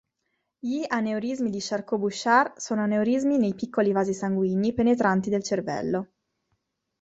Gli aneurismi di Charcot-Bouchard sono aneurismi nei piccoli vasi sanguigni penetranti del cervello.